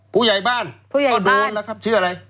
ผู้ใหญ่บ้านก็โดนแล้วครับชื่ออะไร